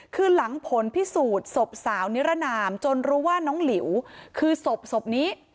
คือหลังผลพิสูจน์ศพสาวนิรนามจนรู้ว่าน้องหลิวคือศพนี้